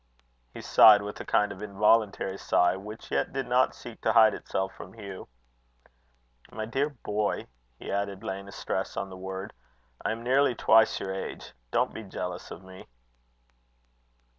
He sighed with a kind of involuntary sigh, which yet did not seek to hide itself from Hugh. "My dear boy," he added, laying a stress on the word, " I am nearly twice your age don't be jealous of me."